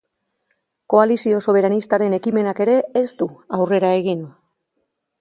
Koalizio soberanistaren ekimenak ere ez du aurrera egin.